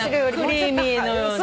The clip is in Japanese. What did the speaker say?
クリーミーのようなね。